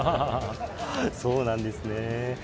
そうなんですね。